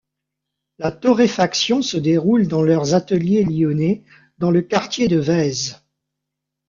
La torréfaction se déroule dans leurs ateliers Lyonnais, dans le quartier de Vaise.